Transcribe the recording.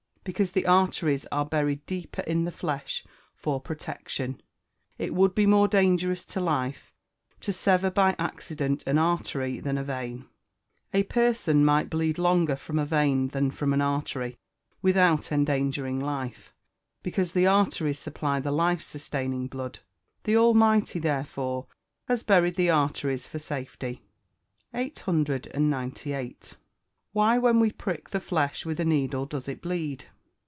_ Because the arteries are buried deeper in the flesh, for protection. It would be more dangerous to life to sever by accident an artery than a vein. A person might bleed longer from a vein than from an artery, without endangering life; because the arteries supply the life sustaining blood. The Almighty, therefore, has buried the arteries for safety. 898. _Why when we prick the flesh with a needle does it bleed?